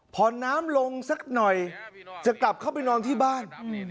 พอน้ำลงสักหน่อยจะกลับเข้าไปนอนที่บ้าน